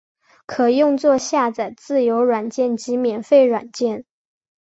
可用作下载自由软件及免费软件。